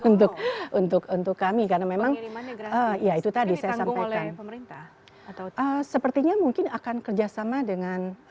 untuk untuk untuk kami karena memang itu tadi saya sampaikan sepertinya mungkin akan kerjasama dengan